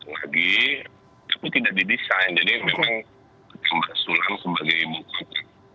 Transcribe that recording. lagi tapi tidak didesain jadi memang tambah sulam sebagai ibu kota